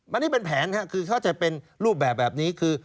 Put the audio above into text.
อันนี้เป็นแผนครับคือเขาจะเป็นรูปแบบแบบนี้คือ